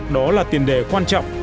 đó là tiền đề quan trọng